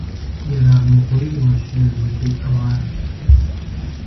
Ерагъмыгъуейуэщ зэрызэтетӀыгъар.